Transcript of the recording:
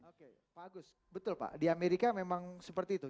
oke bagus betul pak di amerika memang seperti itu